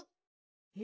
「え？